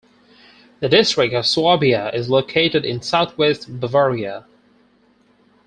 The district of Swabia is located in southwest Bavaria.